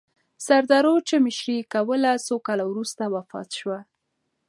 سردارو چې مشري یې کوله، څو کاله وروسته وفات سوه.